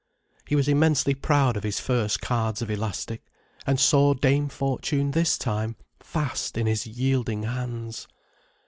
He was immensely proud of his first cards of elastic, and saw Dame Fortune this time fast in his yielding hands.